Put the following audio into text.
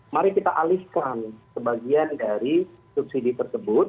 mari kita alihkan sebagian dari subsidi tersebut